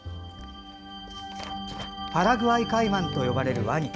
パラグアイカイマンと呼ばれるワニ。